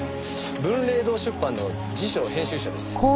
文礼堂出版の辞書編集者です。